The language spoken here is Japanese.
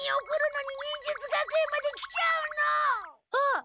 あっ！